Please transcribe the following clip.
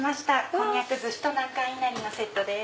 こんにゃく寿司と南関いなりのセットです。